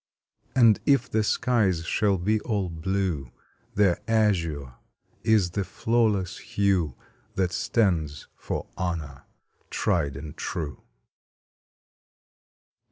And if the skies shall be all blue Their azure is the flawless hue That stands for Honor tried and true.